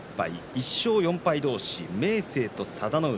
１勝４敗同士明生と佐田の海